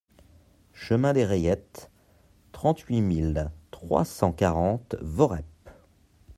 Chemin des Rayettes, trente-huit mille trois cent quarante Voreppe